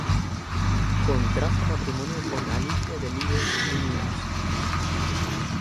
Contrajo matrimonio con Alicia Delibes Liniers.